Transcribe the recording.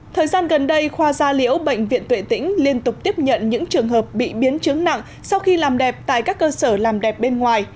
thời gian gần đây khoa gia liễu bệnh viện tuệ tĩnh liên tục tiếp nhận những trường hợp bị biến chứng nặng sau khi làm đẹp tại các cơ sở làm đẹp bên ngoài